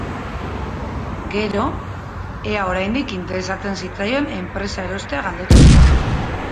Gero, ea oraindik interesatzen zitzaion enpresa erostea galdetu zion.